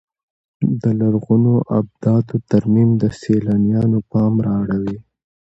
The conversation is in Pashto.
د لرغونو ابداتو ترمیم د سیلانیانو پام را اړوي.